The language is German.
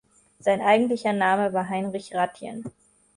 Sein eigentlicher Name war Heinrich Ratjen.